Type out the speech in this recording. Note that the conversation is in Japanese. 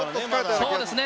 そうですね。